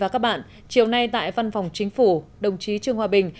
chiều nay tại văn phòng chính phủ đồng chí trương hoa bình